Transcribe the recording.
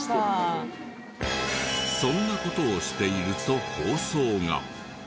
そんな事をしていると放送が。